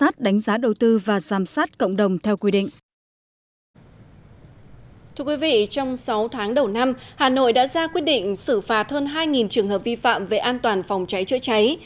thưa quý vị trong sáu tháng đầu năm hà nội đã ra quyết định xử phạt hơn hai trường hợp vi phạm về an toàn phòng cháy chữa cháy